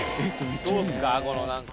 どうっすか？